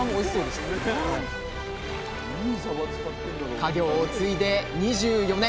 家業を継いで２４年。